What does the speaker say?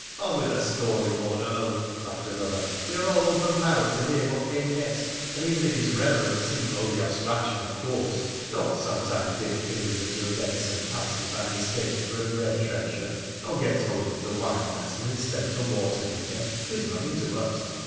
'On with the story, Lord Earl,' laughed another: 'we are all open mouthed to hear what came next, and even if his Reverence — in holy abstraction, of course— doth sometime dip fingers into a venison pasty by mistake for a bread trencher, or gets hold of the wine vessel instead of the water beaker — 'tis nothing to us.